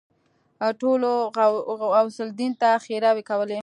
ټولو غوث الدين ته ښېراوې کولې.